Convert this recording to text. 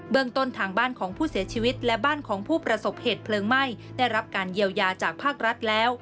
เมืองต้นทางบ้านของผู้เสียชีวิตและบ้านของผู้ประสบเหตุเพลิงไหม้ได้รับการเยียวยาจากภาครัฐแล้ว